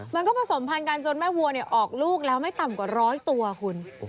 มันก็ผสมพันธ์กันจนแม่วัวออกลูกแล้วไม่ต่ำกว่าร้อยตัวคุณ